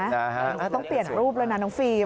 ต้องเปลี่ยนรูปเลยนะน้องฟิล์ม